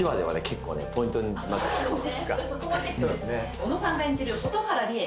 小野さんが演じる蛍原梨恵。